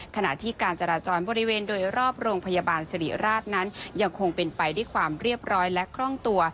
ขณะที่การจราจรบริเวณโดยรอบโรงพยาบาลสิริราชนั้นยังคงเป็นไปด้วยความเรียบร้อยและคล่องตัว